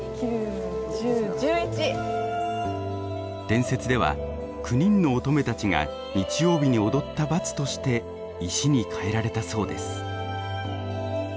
伝説では９人の乙女たちが日曜日に踊った罰として石に変えられたそうです。